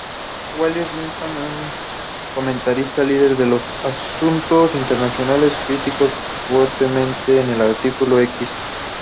Walter Lippmann, un comentarista líder en los asuntos internacionales, criticó fuertemente el artículo "X".